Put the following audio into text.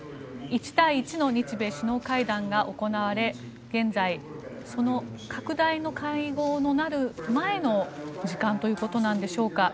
１対１の日米首脳会談が行われ現在、その拡大の会合の前となる時間ということなんでしょうか。